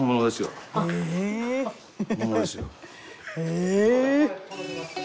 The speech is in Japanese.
え！